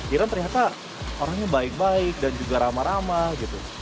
iran ternyata orangnya baik baik dan juga ramah ramah gitu